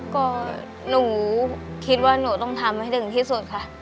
ก็หนูคิดว่าหนูต้องทำให้ถึงที่สุดค่ะ